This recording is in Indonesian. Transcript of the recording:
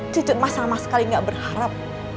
cucu sama sekali gak berharap